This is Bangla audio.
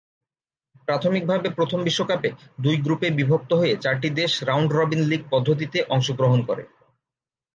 প্রাথমিকভাবে প্রথম বিশ্বকাপে দুই গ্রুপে বিভক্ত হয়ে চারটি দেশ রাউন্ড-রবিন লীগ পদ্ধতিতে অংশগ্রহণ করে।